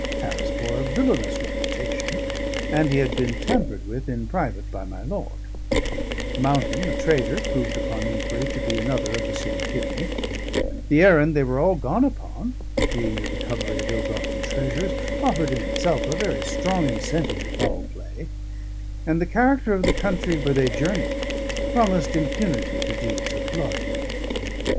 Harris bore a villainous reputation, and he had been tampered with in private by my lord; Mountain, the trader, proved, upon inquiry, to be another of the same kidney; the errand they were all gone upon being the recovery of ill gotten treasures, offered in itself a very strong incentive to foul play; and the character of the country where they journeyed promised impunity to deeds of blood.